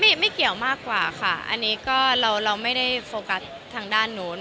ไม่ไม่เกี่ยวมากกว่าค่ะอันนี้ก็เราไม่ได้โฟกัสทางด้านนู้น